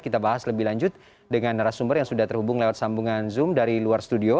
kita bahas lebih lanjut dengan narasumber yang sudah terhubung lewat sambungan zoom dari luar studio